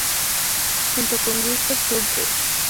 Junto con Gustav Zürcher.